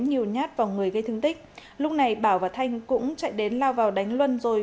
nhiều nhát vào người gây thương tích lúc này bảo và thanh cũng chạy đến lao vào đánh luân rồi